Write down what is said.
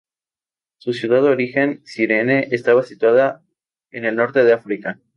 Su ciudad de origen, Cirene, estaba situada en el norte de África.